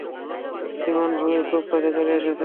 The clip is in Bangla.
বিমান ভূমির খুব কাছে চলে এসেছে।